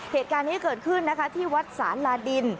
เหตุการณ์นี้เกิดขึ้นนะคะที่วัดสาลาดิน